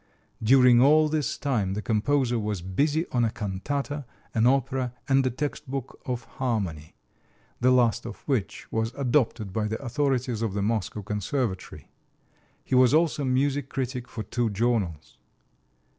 During all this time the composer was busy on a cantata, an opera and a text book of harmony, the last of which was adopted by the authorities of the Moscow Conservatory. He was also music critic for two journals.